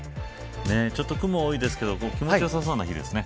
ちょっと雲は多いですけど気持ちよさそうな日ですね。